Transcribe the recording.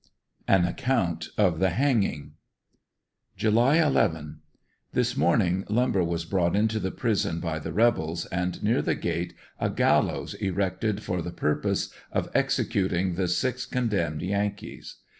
AN ACCOUNT OF THE HANGING. July 11. — This morning lumber was brought into the prison by the rebels, and near the gate a gallows erected for the purpose of 82 A NDERSON VILLE DIA R Y. executing the six condemned Yankees.